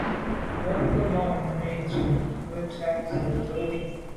Bwɔ́ŋkə́ʼ mǎʼ mùní tɔ̌ tɔ́ bú trǎt nə̀ sǒ ndǒlî.